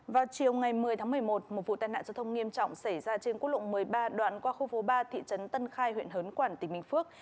vào chiều ngày một mươi tháng một mươi một một vụ tai nạn giao thông nghiêm trọng xảy ra trên quốc lộ một mươi ba đoạn qua khu phố ba thị trấn tân khai huyện hớn quản tỉnh bình phước